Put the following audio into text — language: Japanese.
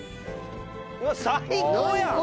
うわ最高やん！